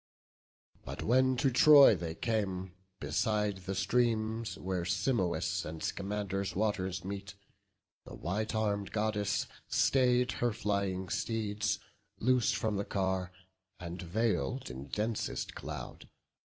But when to Troy they came, beside the streams Where Simois' and Scamander's waters meet, The white arm'd Goddess stay'd her flying steeds, Loos'd from the car, and veil'd in densest cloud.